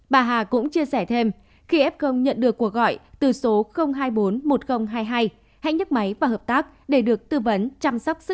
bà hà cũng chia sẻ thêm khi f nhận được cuộc gọi từ số hai trăm bốn mươi một nghìn hai mươi hai hãy nhắc máy và hợp tác để được tư vấn chăm sóc sức khỏe từ xa